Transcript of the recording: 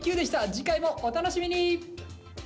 次回もお楽しみに！